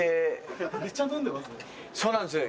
そうなんですよ